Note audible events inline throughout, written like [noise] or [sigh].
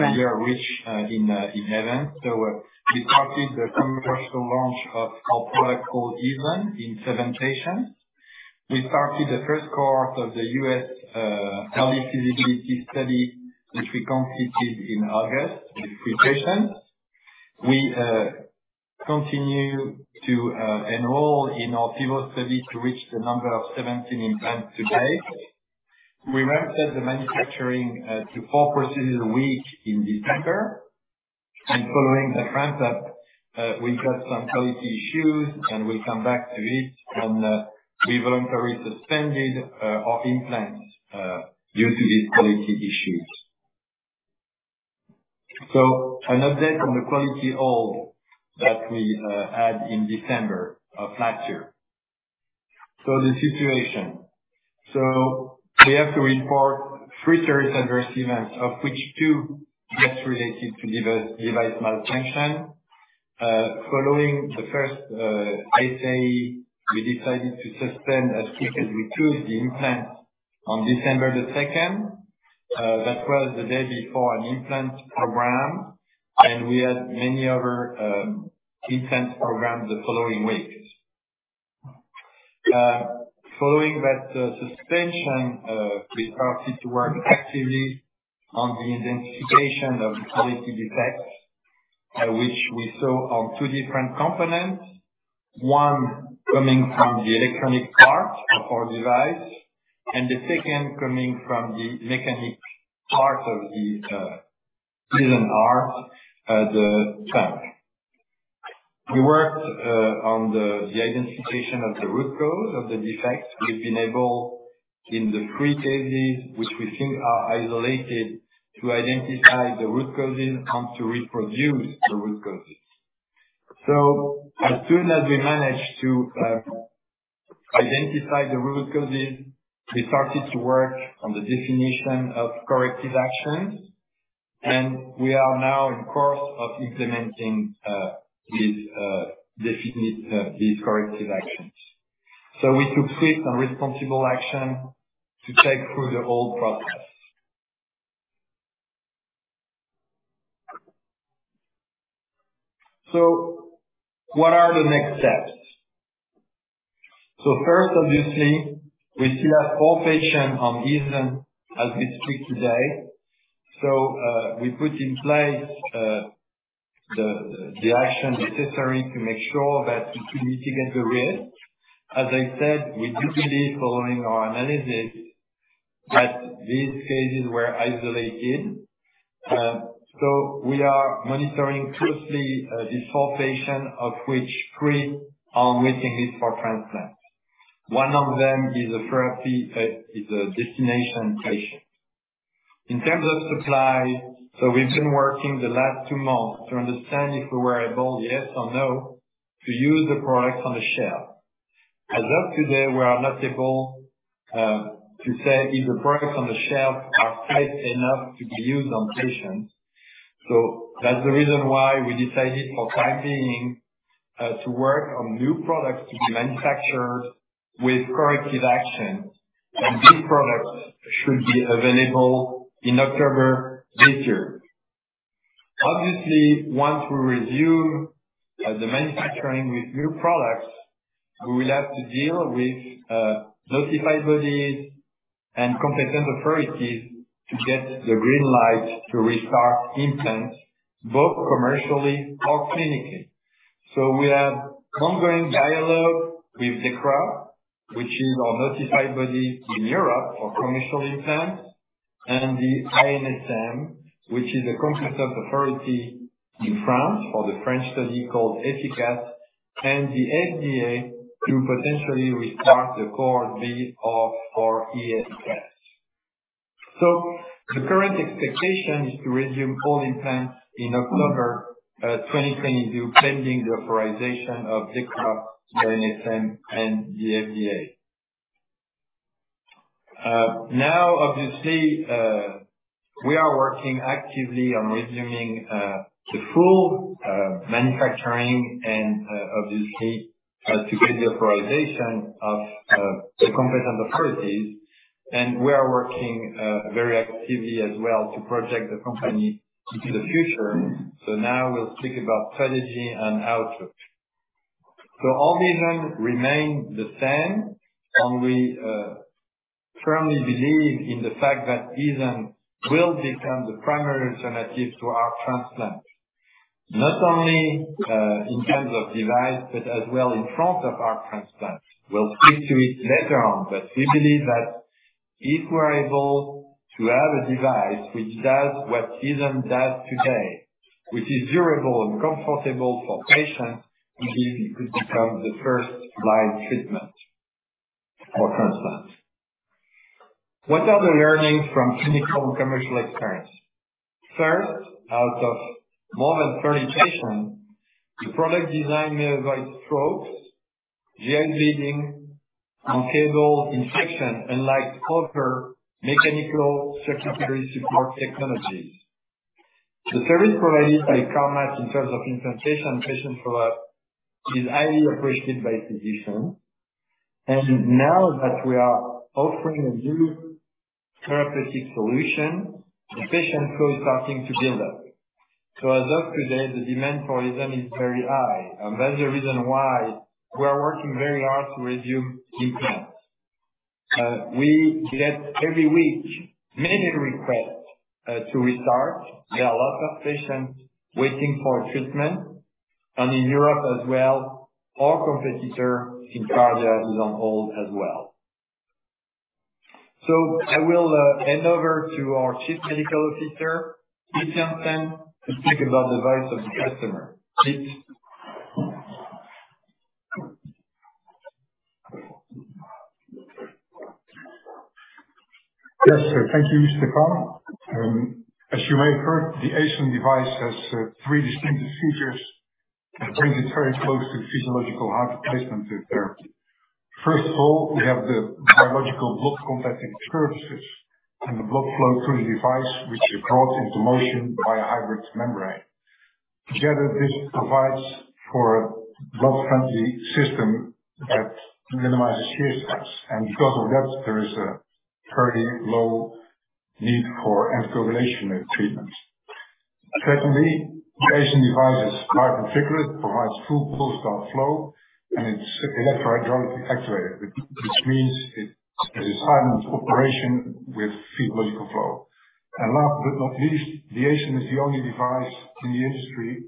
We are rich in events. We started the commercial launch of our product called Aeson in seven patients. We started the first cohort of the US early feasibility study, which we completed in August with three patients. We continue to enroll in our PIVOTAL study to reach the number of 17 implants to date. We ramped up the manufacturing to four procedures a week in December. Following the transplant, we had some quality issues, and we come back to this, and we voluntarily suspended our implants due to these quality issues. An update on the quality hold that we had in December of last year. The situation. We have to report three serious adverse events, of which two were related to device malfunction. Following the first SAE, we decided to suspend as quickly as we could the implant on December 2nd. That was the day before an implant program, and we had many other implant programs the following weeks. Following that suspension, we started to work actively on the identification of quality defects, which we saw on two different components. One coming from the electronic part of our device, and the second coming from the mechanical part of the artificial heart, the tank. We worked on the identification of the root cause of the defect. We've been able, in the three cases, which we think are isolated, to identify the root causes and to reproduce the root causes. As soon as we managed to identify the root causes, we started to work on the definition of corrective actions, and we are now in course of implementing these corrective actions. We took quick and responsible action to go through the whole process. What are the next steps? First, obviously, we still have four patients on Aeson as we speak today. We put in place the action necessary to make sure that we can mitigate the risk. As I said, we do believe following our analysis that these cases were isolated. We are monitoring closely these four patients, of which three are on the waiting list for transplant. One of them is a destination therapy patient. In terms of supply, we've been working the last two months to understand if we were able, yes or no, to use the products on the shelf. As of today, we are not able to say if the products on the shelf are safe enough to be used on patients. That's the reason why we decided for the time being to work on new products to be manufactured with corrective action. These products should be available in October this year. Obviously, once we review the manufacturing with new products, we will have to deal with notified bodies and competent authorities to get the green light to restart implants, both commercially or clinically. We have ongoing dialogue with DEKRA, which is our notified body in Europe for commercial implants, and the ANSM, which is a competent authority in France for the French study called EFICAS, and the FDA to potentially restart the Cohort B of our EFS study. The current expectation is to resume all implants in October 2022, pending the authorization of DEKRA, ANSM and the FDA. Now, obviously, we are working actively on resuming the full manufacturing and obviously to get the authorization of the competent authorities, and we are working very actively as well to project the company into the future. Now we'll speak about strategy and outlook. Our vision remains the same, and we firmly believe in the fact that Aeson will become the primary alternative to our transplant, not only in terms of device, but as well in front of our transplant. We'll speak to it later on, but we believe that if we're able to have a device which does what Aeson does today, which is durable and comfortable for patients, it could become the first line treatment for transplant. What are the learnings from clinical commercial experience? First, out of more than 30 patients, the product design minimizes strokes, GI bleeding, and driveline infection, unlike other mechanical circulatory support technologies. The service provided by Carmat in terms of implantation and patient follow-up is highly appreciated by physicians. Now that we are offering a new therapeutic solution, the patient flow is starting to build up. As of today, the demand for Aeson is very high, and that's the reason why we are working very hard to resume implants. We get every week many requests to restart. There are lots of patients waiting for treatment. In Europe as well, our competitor, SynCardia, is on hold as well. I will hand over to our Chief Medical Officer, Piet Jansen, to speak about the voice of the customer. Please. Yes. Thank you, Stéphane. As you may have heard, the Aeson device has three distinctive features that bring it very close to physiological heart replacement therapy. First of all, we have the biological blood-compatible surfaces and the blood flow through the device, which is brought into motion by a hybrid membrane. Together, this provides for a blood-friendly system that minimizes shear stress. Because of that, there is a very low need for anticoagulation treatment. Secondly, the Aeson device is heart configured, provides full pulsatile flow, and it's electronically actuated, which means it is silent operation with physiological flow. Last but not least, the Aeson is the only device in the industry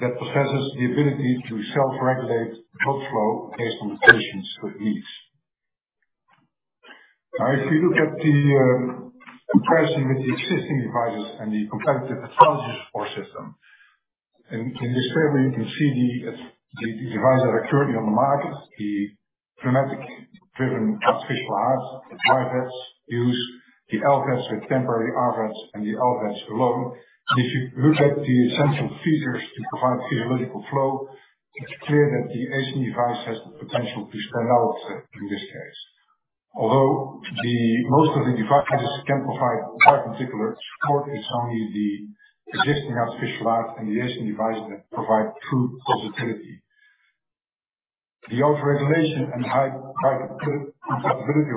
that possesses the ability to self-regulate blood flow based on the patient's needs. Now, if you look at the comparison with the existing devices and the competitive approaches or system, and in this table, you can see the devices that are currently on the market, the pneumatic-driven artificial hearts, the bar vests used, the LVADs with temporary RVADs and the LVADs alone. If you look at the essential features to provide physiological flow, it's clear that the Aeson device has the potential to stand out in this case. Although most of the devices can provide quite partial support, it's only the existing artificial hearts and the Aeson device that provide true pulsatility. The autoregulation and hemocompatibility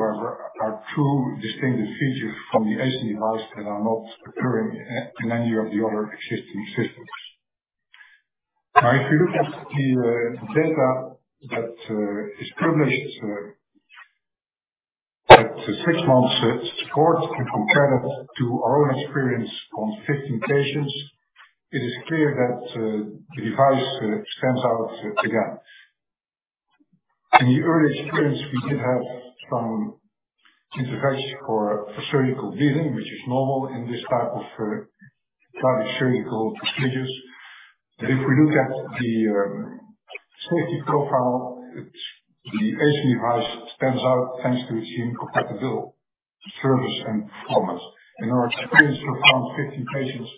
are two distinguished features from the Aeson device that are not occurring in any of the other existing systems. Now, if you look at the data that is published that the six months support can compare that to our experience on 15 patients, it is clear that the device stands out again. In the early experience, we did have some intervention for surgical bleeding, which is normal in this type of surgical procedures. If we look at the safety profile, it's the Aeson device stands out thanks to its biocompatible surfaces and performance. In our experience, so far in 15 patients,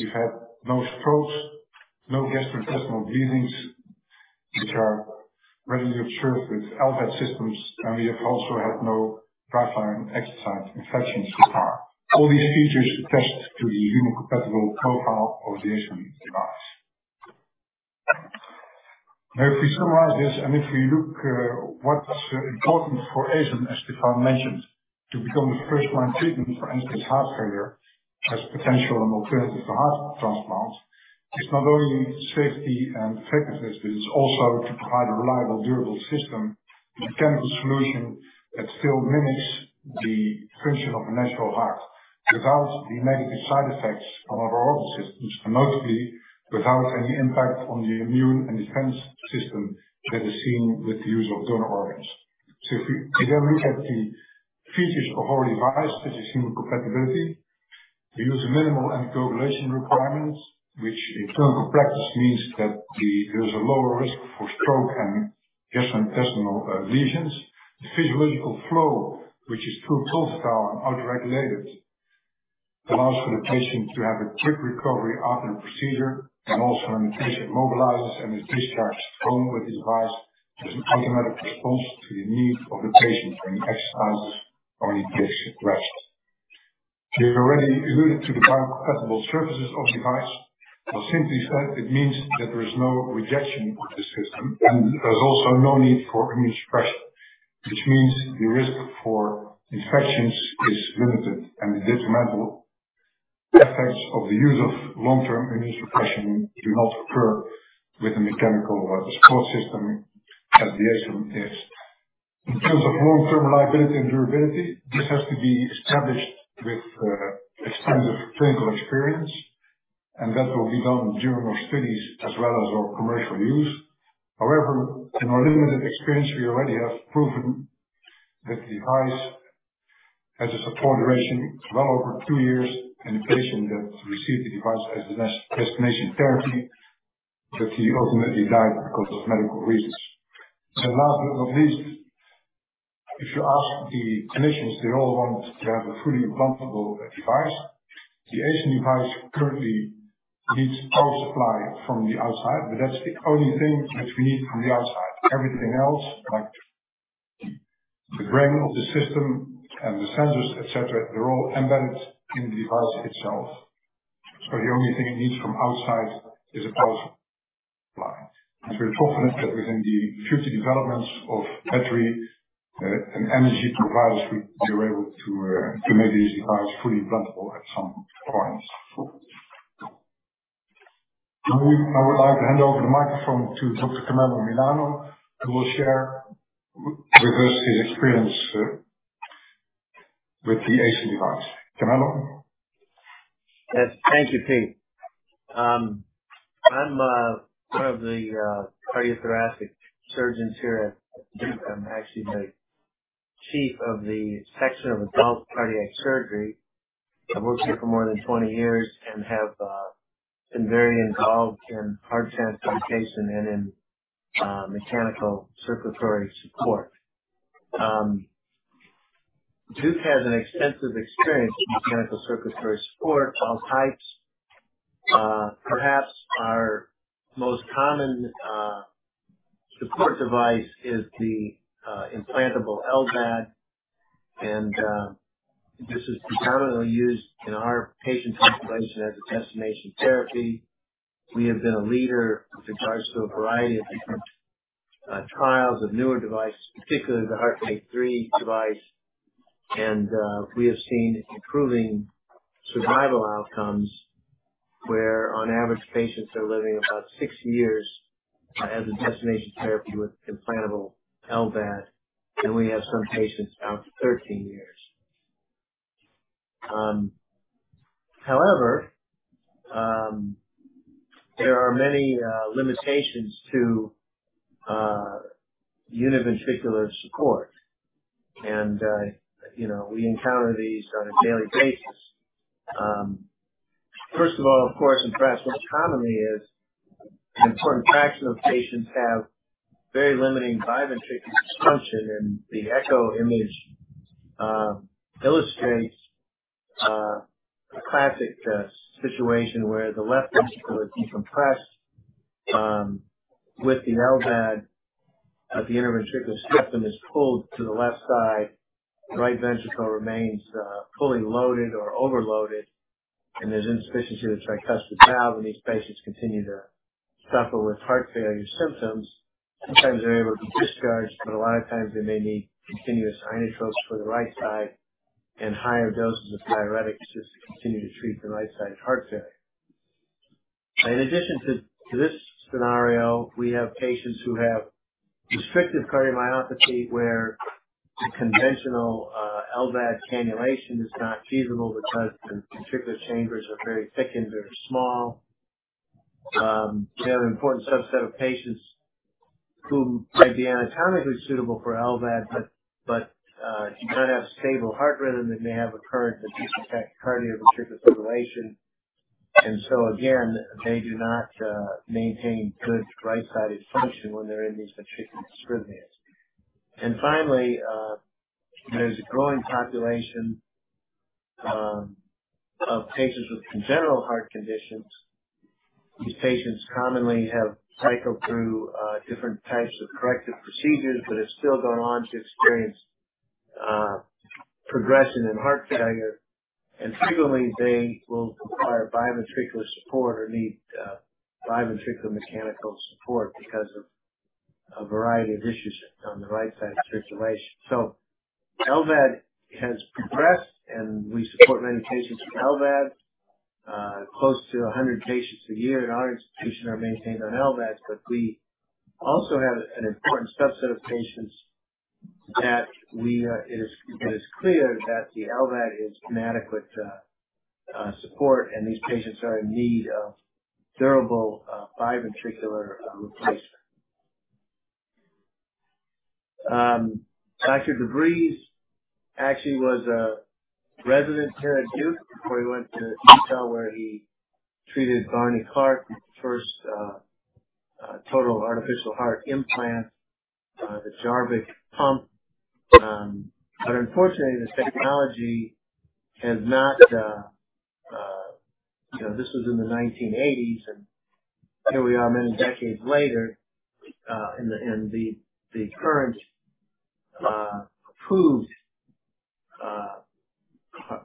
we've had no strokes, no gastrointestinal bleedings, which are readily observed with LVAD systems, and we have also had no driveline exit site infections so far. All these features attest to the biocompatible profile of the Aeson device. Now, if we summarize this, and if you look, what's important for Aeson, as Stéphane mentioned, to become the first-line treatment for end-stage heart failure, has potential and alternative to heart transplant. It's not only safety and effectiveness, but it's also to provide a reliable, durable system with a gentle solution that still mimics the function of the natural heart without the negative side effects on our organ systems, and mostly without any impact on the immune and defense system that is seen with the use of donor organs. If we then look at the features of our device such as hemocompatibility, we use minimal anticoagulation requirements, which in clinical practice means that there's a lower risk for stroke and gastrointestinal lesions. The physiological flow, which is pulsatile and autoregulated, allows for the patient to have a quick recovery after the procedure. Also when the patient mobilizes and is discharged home with the device, there's an automatic response to the needs of the patient when he exercises or he takes rest. We've already alluded to the biocompatible surfaces of the device. Simply said, it means that there is no rejection of the system, and there's also no need for immunosuppression, which means the risk for infections is limited. The detrimental effects of the use of long-term immunosuppression do not occur with the mechanical support system as the Aeson is. In terms of long-term reliability and durability, this has to be established with extensive clinical experience, and that will be done during those studies as well as our commercial use. However, in our limited experience, we already have proven that the device has a support duration well over two years in a patient that received the device as a destination therapy, but he ultimately died because of medical reasons. Last but not least, if you ask the clinicians, they all want to have a fully implantable device. The Aeson device currently needs power supply from the outside, but that's the only thing that we need from the outside. Everything else, like the brain of the system and the sensors, et cetera, they're all embedded in the device itself. The only thing it needs from outside is a power supply. We're confident that within the future developments of battery and energy providers, we will be able to to make these devices fully implantable at some point. Now, I would like to hand over the microphone to Dr. Carmelo Milano, who will share with us the experience with the Aeson device. Carmelo. Yes. Thank you, Piet. I'm one of the cardiothoracic surgeons here at Duke. I'm actually the chief of the section of adult cardiac surgery. I've worked here for more than 20 years and have been very involved in heart transplantation and in mechanical circulatory support. Duke has an extensive experience in mechanical circulatory support, all types. Perhaps our most common support device is the implantable LVAD. This is predominantly used in our patient population as a destination therapy. We have been a leader with regards to a variety of different trials of newer devices, particularly the HeartMate 3 device. We have seen improving survival outcomes where on average, patients are living about six years as a destination therapy with implantable LVAD, and we have some patients out to 13 years. However, there are many limitations to univentricular support. You know, we encounter these on a daily basis. First of all, of course, in practice, what commonly is an important fraction of patients have very limiting biventricular function. The echo image illustrates a classic situation where the left ventricle is decompressed with the LVAD at the interventricular septum is pulled to the left side. The right ventricle remains fully loaded or overloaded, and there's insufficiency of the tricuspid valve, and these patients continue to suffer with heart failure symptoms. Sometimes they're able to be discharged, but a lot of times they may need continuous inotropes for the right side and higher doses of diuretics just to continue to treat the right-side heart failure. In addition to this scenario, we have patients who have restrictive cardiomyopathy where the conventional LVAD cannulation is not feasible because the ventricular chambers are very thickened, very small. We have an important subset of patients who may be anatomically suitable for LVAD, but do not have stable heart rhythm. They may have recurrent ventricular tachycardia or ventricular fibrillation. Again, they do not maintain good right-sided function when they're in these ventricular arrhythmias. Finally, there's a growing population of patients with congenital heart conditions. These patients commonly have cycled through different types of corrective procedures but have still gone on to experience progression in heart failure. Frequently they will require biventricular support or need biventricular mechanical support because of a variety of issues on the right-side circulation. LVAD has progressed, and we support many patients with LVAD. Close to 100 patients a year in our institution are maintained on LVADs. We also have an important subset of patients that it is clear that the LVAD is inadequate support, and these patients are in need of durable biventricular replacement. Dr. DeVries actually was a resident here at Duke before he went to Utah, where he treated Barney Clark with the first total artificial heart implant, the Jarvik-7. Unfortunately, you know, this was in the 1980s, and here we are many decades later, and the current approved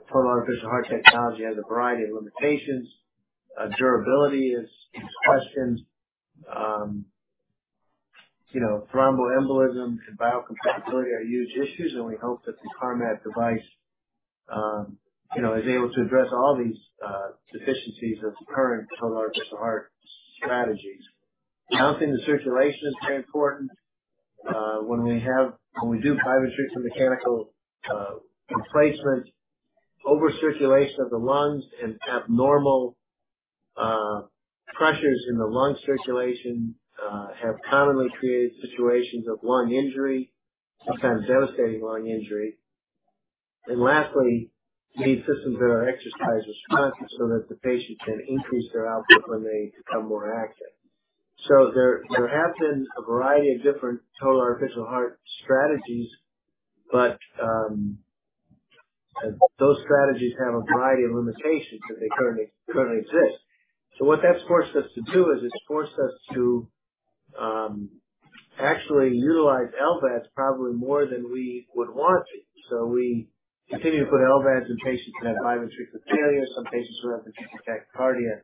total artificial heart technology has a variety of limitations. Durability is questioned. You know, thromboembolism and biocompatibility are huge issues, and we hope that the Carmat device, you know, is able to address all these deficiencies of the current total artificial heart strategies. Dumping the circulation is very important. When we do biventricular mechanical replacements, overcirculation of the lungs and abnormal pressures in the lung circulation have commonly created situations of lung injury, sometimes devastating lung injury. Lastly, we need systems that are exercise responsive so that the patient can increase their output when they become more active. There have been a variety of different total artificial heart strategies, but those strategies have a variety of limitations that they currently exist. What that's forced us to do is forced us to actually utilize LVADs probably more than we would want to. We continue to put LVADs in patients who have biventricular failure, some patients who have ventricular tachycardia,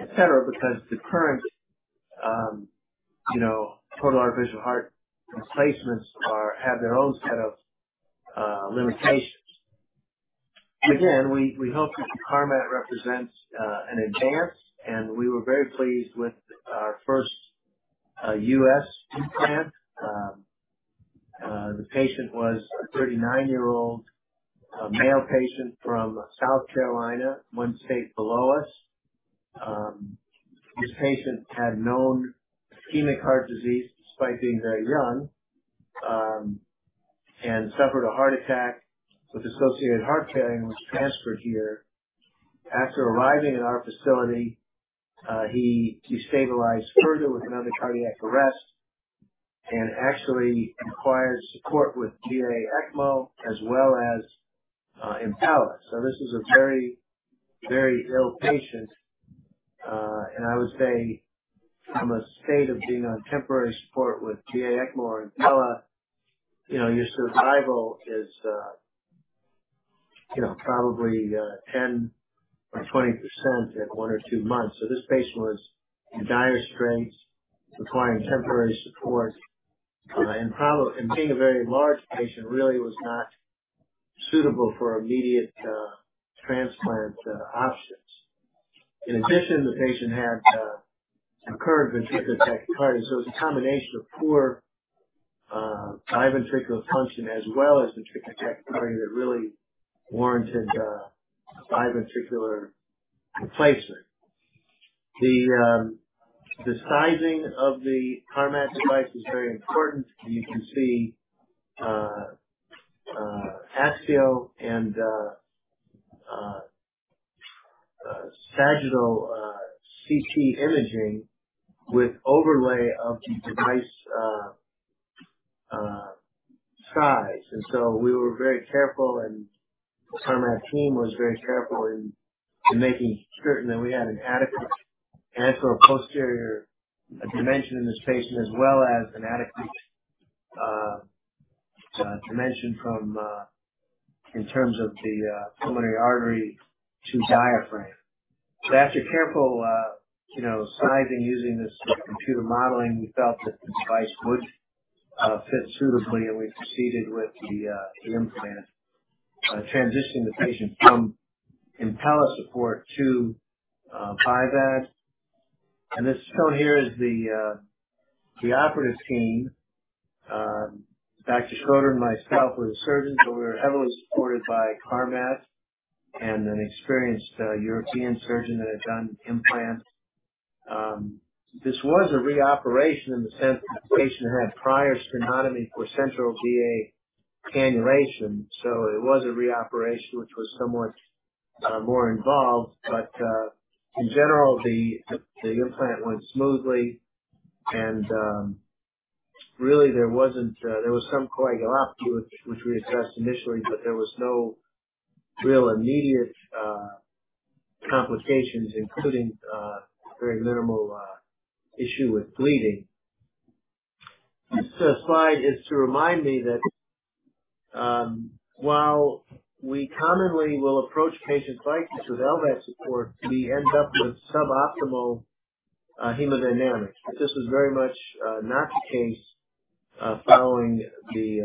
etcetera, because the current total artificial heart replacements have their own set of limitations. Again, we hope that the Carmat represents an advance, and we were very pleased with our first U.S. implant. The patient was a 39-year-old male patient from South Carolina, one state below us. This patient had known ischemic heart disease despite being very young, and suffered a heart attack with associated heart failure and was transferred here. After arriving at our facility, he destabilized further with another cardiac arrest and actually required support with VA-ECMO as well as Impella. This is a very, very ill patient. I would say from a state of being on temporary support with VA-ECMO or Impella, you know, your survival is, you know, probably 10% or 20% at one or two months. This patient was in dire straits, requiring temporary support, and being a very large patient, really was not suitable for immediate transplant options. In addition, the patient had incurred ventricular tachycardia, so it was a combination of poor biventricular function as well as ventricular tachycardia that really warranted biventricular replacement. The sizing of the Carmat device is very important. You can see axial and sagittal CT imaging with overlay of the device size. We were very careful, and the Carmat team was very careful in making certain that we had an adequate anteroposterior dimension in this patient as well as an adequate dimension in terms of the pulmonary artery to diaphragm. After careful, you know, sizing using this computer modeling, we felt that the device would fit suitably, and we proceeded with the implant, transitioning the patient from Impella support to BiVAD. This shown here is the operative scheme. Dr. Schroder and myself were the surgeons, but we were heavily supported by Carmat and an experienced European surgeon that had done implants. This was a reoperation in the sense that the patient had prior sternotomy for central VA cannulation. It was a reoperation which was somewhat more involved. In general, the implant went smoothly, and really there was some coagulopathy which we addressed initially, but there was no real immediate complications, including very minimal issue with bleeding. This slide is to remind me that while we commonly will approach patients like this with LVAD support, we end up with suboptimal hemodynamics. This was very much not the case following the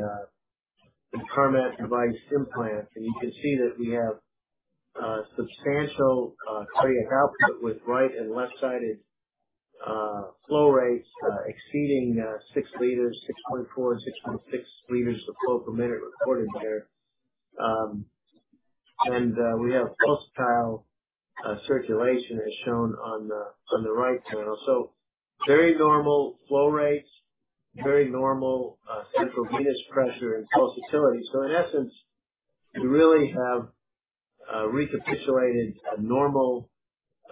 Carmat device implant. You can see that we have substantial cardiac output with right and left-sided flow rates exceeding six liters, 6.4, 6.6L of flow per minute recorded there. We have pulsatile circulation as shown on the right panel. Very normal flow rates, very normal central venous pressure and pulsatility. In essence, we really have recapitulated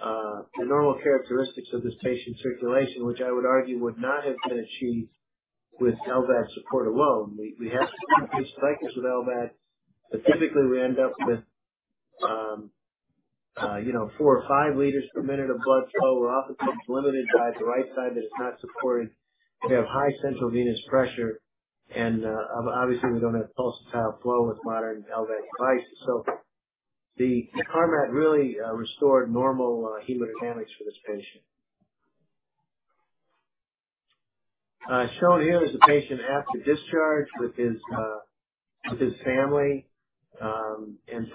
the normal characteristics of this patient's circulation, which I would argue would not have been achieved with LVAD support alone. We have treated patients like this with LVAD, but typically we end up with, you know, four or five liters per minute of blood flow. We're oftentimes limited by the right side that is not supported. We have high central venous pressure and obviously, we don't have pulsatile flow with modern LVAD devices. The Carmat really restored normal hemodynamics for this patient. Shown here is the patient after discharge with his family.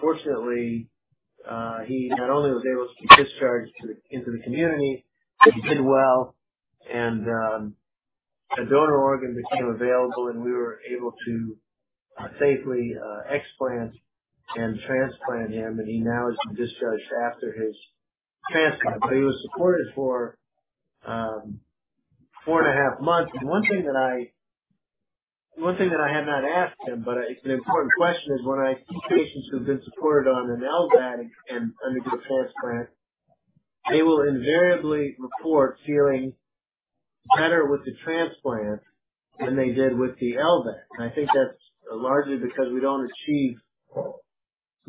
Fortunately, he not only was able to be discharged into the community, he did well and a donor organ became available, and we were able to safely explant and transplant him. He now has been discharged after his transplant. He was supported for four and a half months. One thing that I have not asked him, but it's an important question, is when I see patients who've been supported on an LVAD and undergo a transplant, they will invariably report feeling better with the transplant than they did with the LVAD. I think that's largely because we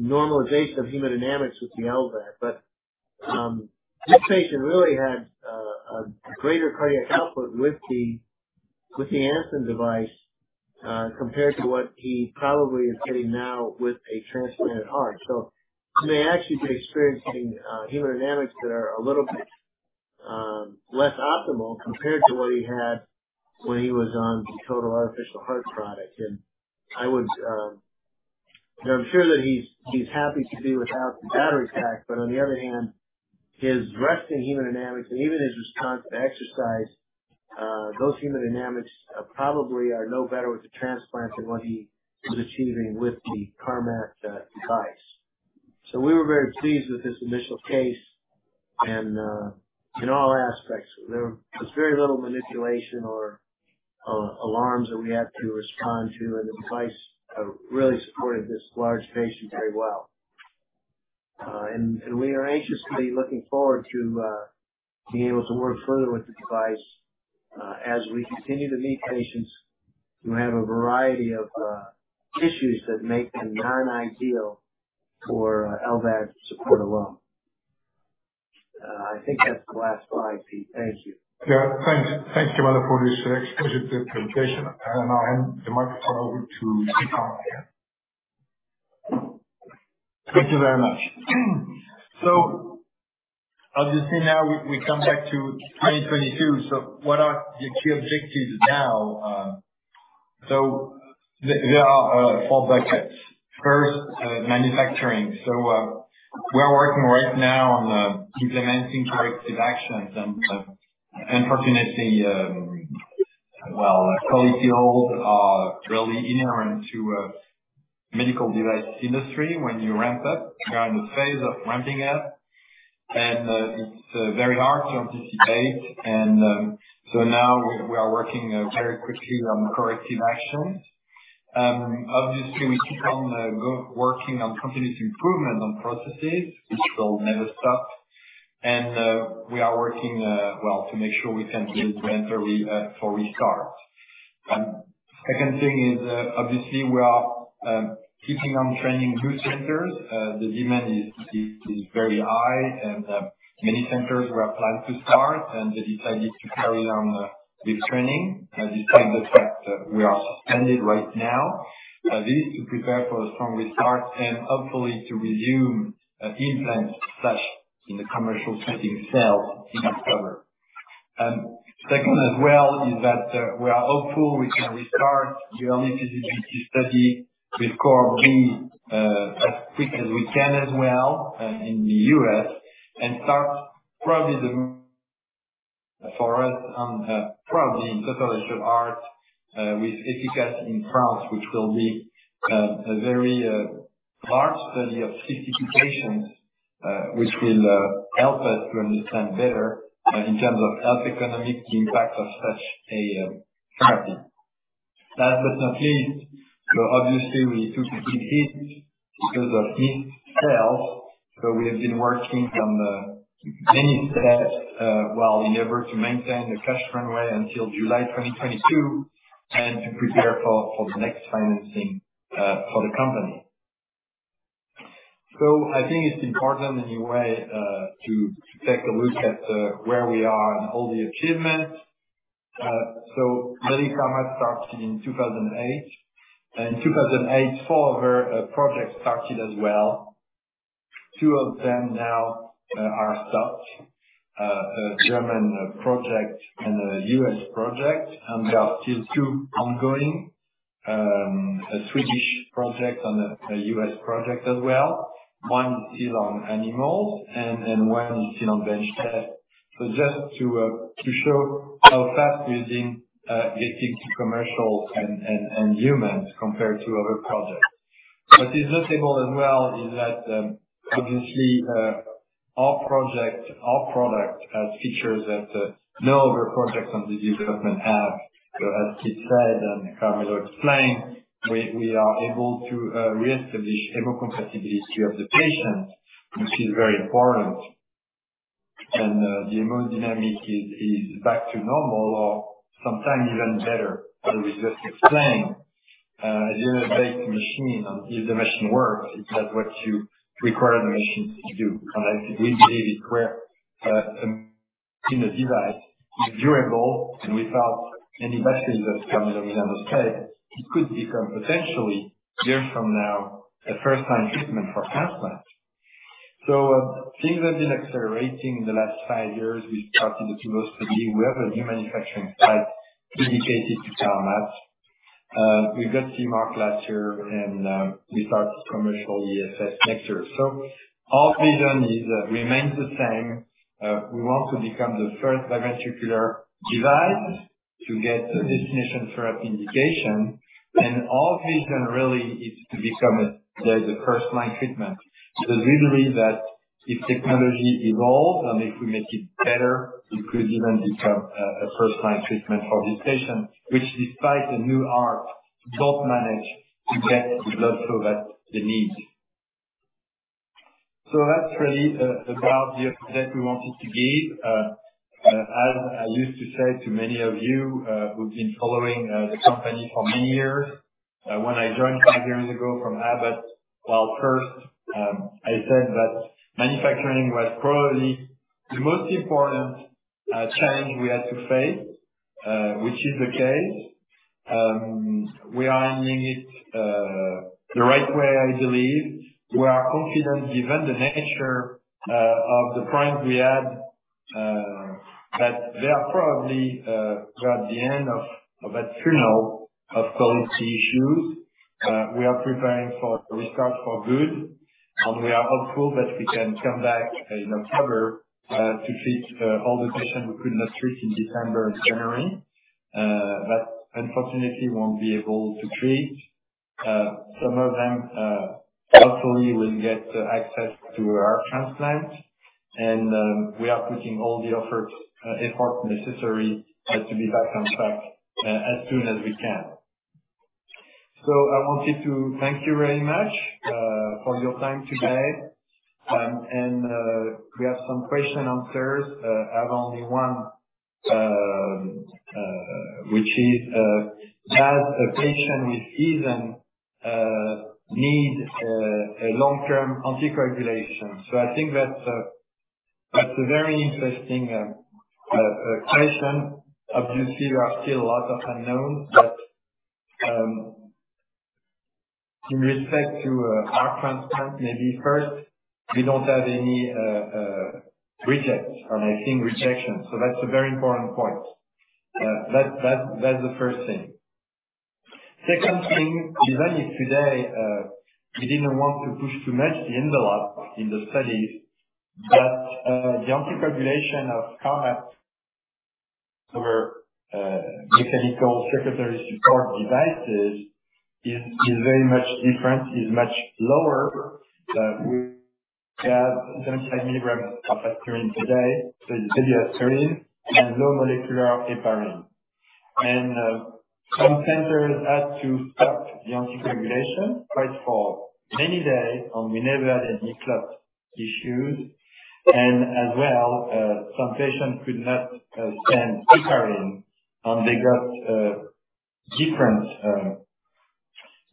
don't achieve normalization of hemodynamics with the LVAD. This patient really had a greater cardiac output with the Aeson device compared to what he probably is getting now with a transplanted heart. He may actually be experiencing hemodynamics that are a little bit less optimal compared to what he had when he was on total artificial heart product. Now, I'm sure that he's happy to be without the battery pack, but on the other hand, his resting hemodynamics and even his response to exercise, those hemodynamics probably are no better with the transplant than what he was achieving with the Carmat device. We were very pleased with this initial case and in all aspects. There was very little manipulation or alarms that we had to respond to, and the device really supported this large patient very well. We are anxiously looking forward to being able to work further with the device as we continue to meet patients who have a variety of issues that make them non-ideal for LVAD support alone. I think that's the last slide, Piet. Thank you. Yeah. Thank Carmat for this exquisite presentation. I hand the microphone over to Stéphane here. Thank you very much. Obviously now we come back to 2022. What are the key objectives now? There are four buckets. First, manufacturing. We're working right now on implementing corrective actions. Unfortunately, well, [inaudible] are really inherent to the medical device industry when you ramp up. We are in the phase of ramping up, and it's very hard to anticipate. Now we are working very quickly on corrective actions. Obviously we keep on working on continuous improvement on processes, which will never stop. We are working well to make sure we can do inventory for restart. Second thing is, obviously we are keeping on training new centers. The demand is very high and many centers were planned to start, and they decided to carry on with training despite the fact that we are suspended right now. This is to prepare for a strong restart and hopefully to resume implants such in the commercial setting itself in October. Second as well is that we are hopeful we can restart the EFS study with Cohort B as quick as we can as well in the US. Start probably the EFICAS study on total artificial heart with EFICAS in France, which will be a very large study of 60 patients, which will help us to understand better in terms of health economic impact of such a therapy. Last but not least, so obviously we took a big hit because of missed sales, so we have been working on many steps while in effort to maintain the cash runway until July 2022 and to prepare for the next financing for the company. I think it's important anyway to take a look at where we are and all the achievements. Early Carmat started in 2008. In 2008, four other projects started as well. Two of them now are stopped. A German project and a U.S. project, and there are still two ongoing. A Swedish project and a U.S. project as well. One is still on animals and one is still on bench test. Just to show how fast we've been getting to commercial and humans compared to other projects. What is notable as well is that obviously our project, our product has features that no other projects under development have. As Piet said, and Carmelo explained, we are able to re-establish hemocompatibility of the patient, which is very important. The hemodynamics is back to normal or sometimes even better, as we just explained. As you have a durable machine and if the machine works, it has what you require the machine to do. I do believe it. In a device is durable and without any batteries, as Carmelo demonstrated, it could become potentially years from now a first line treatment for transplant. Things have been accelerating in the last five years. We started the Tumors study. We have a new manufacturing site dedicated to Carmat. We got CE Mark last year and, we start commercial ESS next year. Our vision is, remains the same. We want to become the first biventricular device to get a destination therapy indication. Our vision really is to become a, the first line treatment. We believe that if technology evolves and if we make it better, it could even become a first line treatment for this patient, which despite a new heart, don't manage to get the blood flow that they need. That's really about the update we wanted to give. As I used to say to many of you, who've been following the company for many years, when I joined five years ago from Abbott. Well, first, I said that manufacturing was probably the most important change we had to face, which is the case. We are ending it the right way, I believe. We are confident given the nature of the problems we had that they are probably we are at the end of a tunnel of quality issues. We are preparing for restart for good, and we are hopeful that we can come back in October to treat all the patients we could not treat in December and January. But unfortunately, we won't be able to treat some of them. Hopefully we'll get access to our transplant and we are putting all the effort necessary just to be back on track as soon as we can. I wanted to thank you very much for your time today. We have some questions and answers. I have only one, which is, does a patient with Aeson need a long-term anticoagulation? I think that's a very interesting question. Obviously, there are still a lot of unknowns, but in respect to heart transplant, maybe first, we don't have any rejection. That's a very important point. That's the first thing. Second thing, even if today we didn't want to push too much the envelope in the studies, but the anticoagulation in Carmat over mechanical circulatory support devices is very much different, much lower. We have 25mgs of aspirin today, so the aspirin and low molecular weight heparin. Some centers had to stop the anticoagulation, right, for many days, and we never had any clot issues. As well, some patients could not stand heparin, and they got different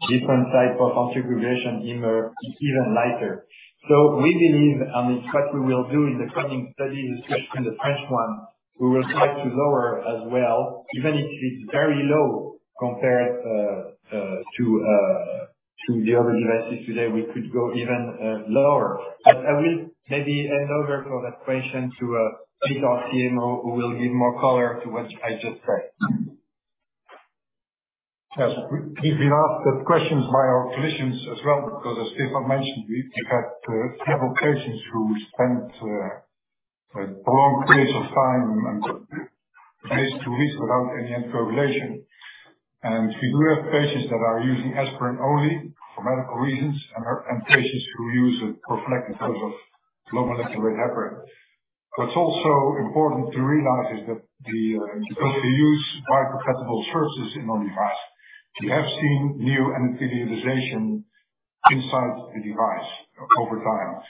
type of anticoagulation even lighter. We believe, I mean, what we will do in the coming studies, especially the French one, we will try to lower as well, even if it's very low compared to the other devices today, we could go even lower. I will maybe hand over for that question to Piet our CMO who will give more color to what I just said. Yes. We've been asked the questions by our physicians as well, because as Philippe mentioned, we've had several patients who spent a long period of time and days to weeks without any anticoagulation. We do have patients that are using aspirin only for medical reasons, and patients who use it for effect because of low molecular weight heparin. What's also important to realize is that because we use biocompatible surfaces in our device, we have seen new endothelialization inside the device over time.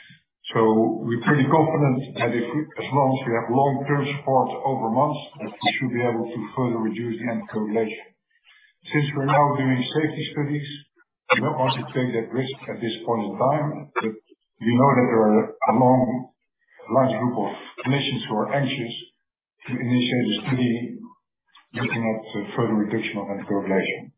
We're pretty confident that as long as we have long-term support over months, that we should be able to further reduce the anticoagulation. Since we're now doing safety studies, we don't want to take that risk at this point in time. We know that there are a long, large group of clinicians who are anxious to initiate a study looking at further reduction of anticoagulation.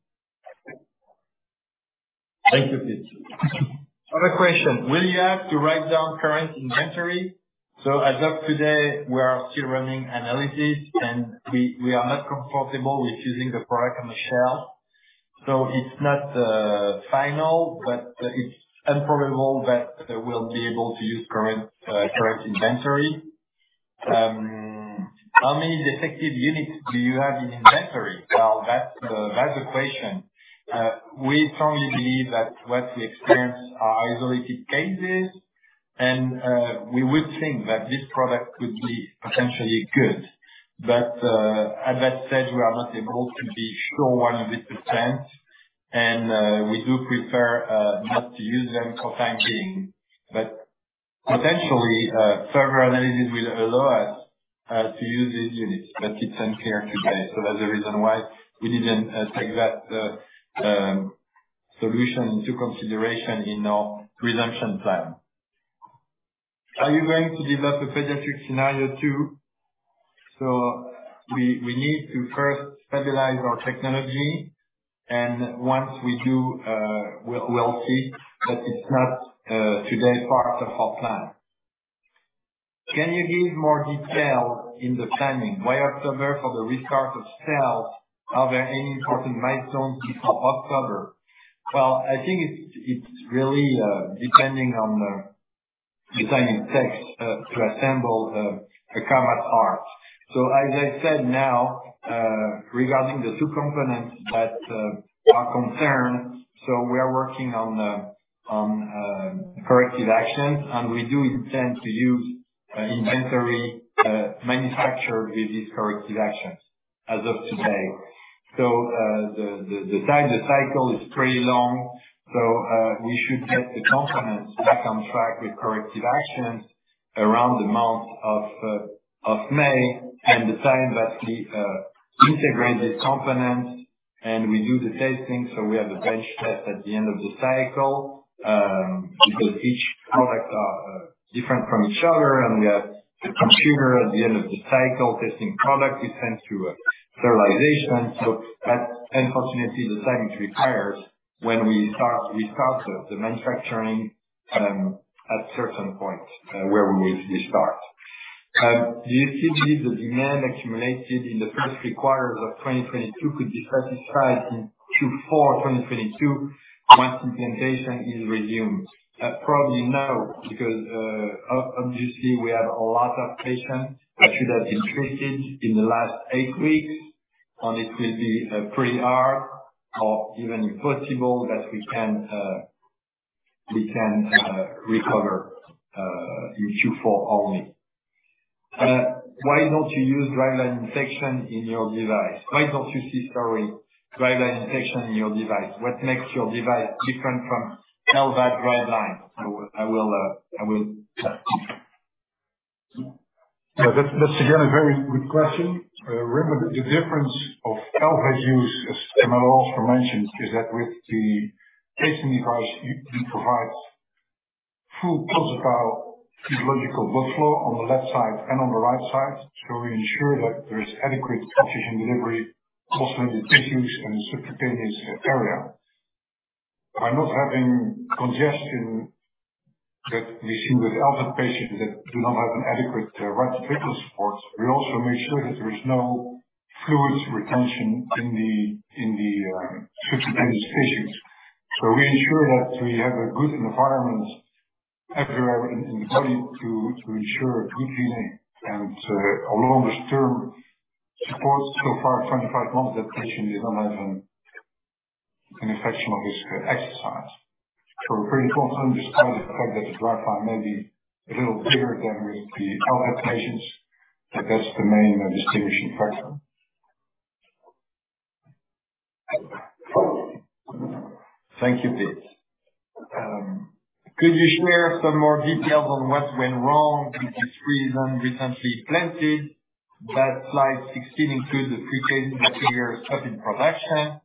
Thank you, Pete. Other question: Will you have to write down current inventory? As of today, we are still running analyses and we are not comfortable with using the product on the shelf. It's not final, but it's improbable that we'll be able to use current inventory. How many defective units do you have in inventory? Now, that's a question. We strongly believe that what we experienced are isolated cases and we would think that this product could be potentially good. As I said, we are not able to be sure 100% and we do prefer not to use them for the time being. Potentially, further analyses will allow us to use these units, but it's unclear today. That's the reason why we didn't take that solution into consideration in our resumption plan. Are you going to develop a pediatric scenario, too? We need to first stabilize our technology, and once we do, we'll see, but it's not today part of our plan. Can you give more details in the timing? Why October for the restart of sales? Are there any important milestones before October? Well, I think it's really depending on the time it takes to assemble the Carmat heart. As I said now, regarding the two components that are concerned, we're working on corrective actions, and we do intend to use inventory manufactured with these corrective actions. As of today. The time cycle is pretty long. We should get the components back on track with corrective actions around the month of May, and the time that we integrate these components and we do the testing, so we have the bench test at the end of the cycle. Because each products are different from each other, and we have the conformance at the end of the cycle testing product we send through sterilization. That's unfortunately the timing required when we start the manufacturing at a certain point where we usually start. Do you still believe the demand accumulated in the first three quarters of 2022 could be satisfied in Q4 2022 once implementation is resumed? Probably no, because obviously we have a lot of patients that should have been treated in the last eight weeks, and it will be pretty hard or even impossible that we can recover in Q4 only. Why don't you use driveline infection in your device? Why don't you see, sorry, driveline infection in your device? What makes your device different from LVAD driveline? I will start. Yeah. That's again a very good question. Remember that the difference of LVAD use, as Carmelo also mentioned, is that with the pacing device you provide full pulsatile valvular physiological blood flow on the left side and on the right side, so we ensure that there is adequate perfusion delivery also in the tissues and subcutaneous area. By not having congestion that we see with the LVAD patients that do not have an adequate right ventricle support, we also make sure that there is no fluid retention in the subcutaneous tissues. We ensure that we have a good environment everywhere in the body to ensure good healing. A longer-term support so far 25 months that patient doesn't have an infection on his driveline. We're very concerned despite the fact that the driveline may be a little clearer than with the LVAD patients, but that's the main distinguishing factor. Thank you, Piet. Could you share some more details on what went wrong with the three recently implanted that slide 16 includes the three cases that were stopped in production?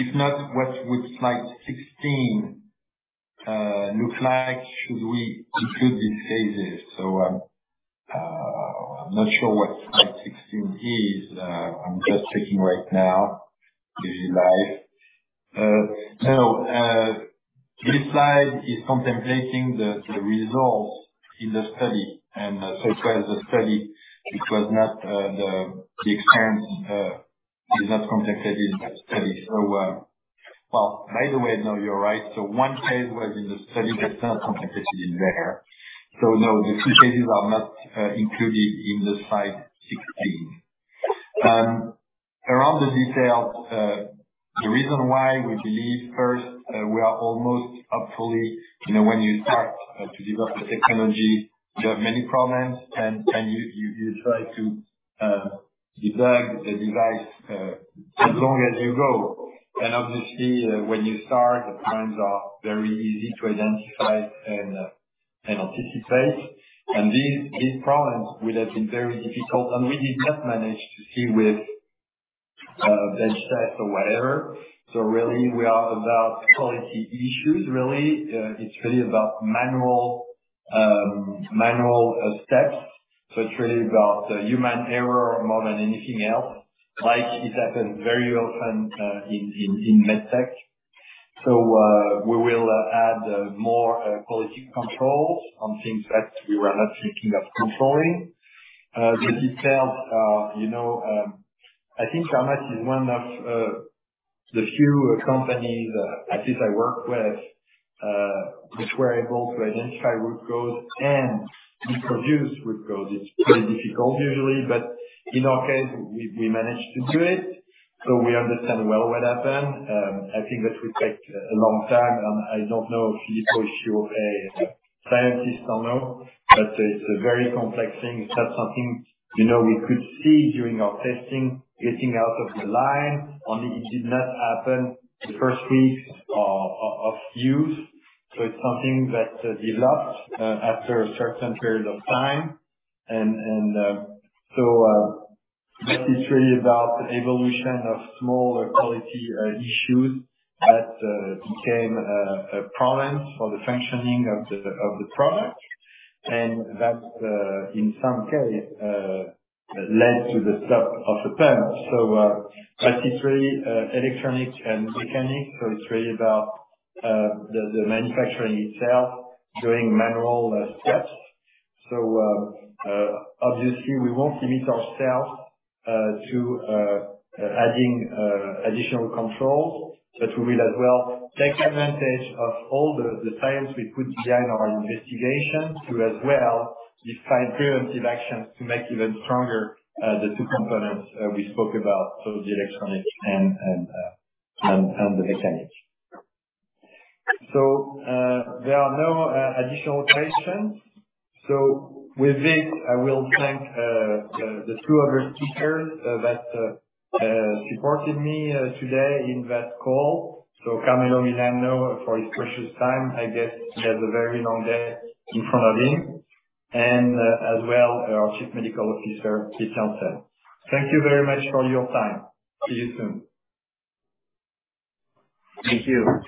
If not, what would slide 16 look like should we include these cases? I'm not sure what slide 16 is. I'm just checking right now in live. No. This slide is contemplating the results in the study. It was a study which was not the expense is not contemplated in that study. Well, by the way, no, you're right. One case was in the study, but not contemplated in there. No, the three cases are not included in the slide 16. Around the details, the reason why we believe first, we are almost hopefully, you know, when you start to develop a technology, you have many problems and you try to debug the device as long as you go. Obviously, when you start, the problems are very easy to identify and anticipate. These problems would have been very difficult, and we did not manage to see with bench test or whatever. Really we are about quality issues, really. It's really about manual steps. It's really about human error more than anything else. Like it happens very often in med tech. We will add more quality controls on things that we were not thinking of controlling. The details, you know, I think Carmat is one of the few companies, at least I work with, which were able to identify root cause and reproduce root cause. It's pretty difficult usually, but in our case we managed to do it. We understand well what happened. I think that will take a long time. I don't know Filippo if you're a scientist or no, but it's a very complex thing. It's not something, you know, we could see during our testing getting out of the line, only it did not happen the first week of use. It's something that developed after a certain period of time. This is really about evolution of small quality issues that became a problem for the functioning of the product. That, in some cases, led to the stop of the pump. But it's really electronics and mechanics. It's really about the manufacturing itself doing manual steps. Obviously we won't limit ourselves to adding additional controls, but we will as well take advantage of all the science we put behind our investigation to as well decide preventive actions to make even stronger the two components we spoke about. The electronics and the mechanics. There are no additional questions. With this, I will thank the two other speakers that supported me today in that call. Carmelo Milano for his precious time. I guess he has a very long day in front of him. As well, our Chief Medical Officer, Piet Jansen. Thank you very much for your time. See you soon. Thank you.